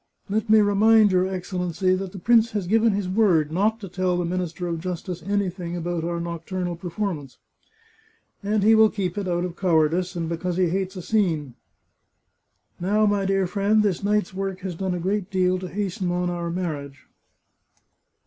" Let me remind your Excellency that the prince has 459 The Chartreuse of Parma gfiven his word not to tell the Minister of Justice anything about our nocturnal performance." " And he will keep it, out of cowardice, and because he hates a scene." " Now, my dear friend, this night's work has done a great deal to hasten on our marriage.